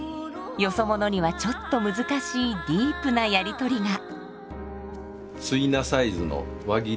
よそ者にはちょっと難しいディープなやり取りが。